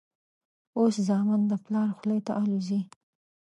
اوس زامن د پلار خولې ته الوزي.